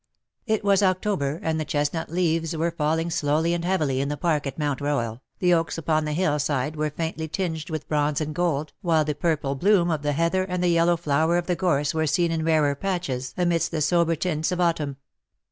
It was October^, and the chestnut leaves were falling slowly and heavily in the park at Mount Royal, the oaks upon the hill side were faintly tinged with bronze and gold, while the purple bloom of the heather and the yellow flower of the gorse were seen in rarer patches amidst the sober tints of autumn.